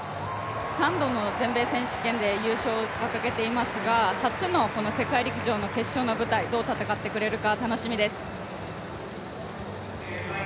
３度の全米選手権で優勝を掲げていますが、初の世界陸上の決勝の舞台、どう戦ってくれるか楽しみです。